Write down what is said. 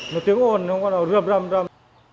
nó tiếng ồn không có nào rượm râm râm